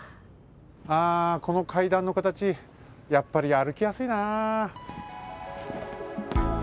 ああこの階段の形やっぱりあるきやすいな。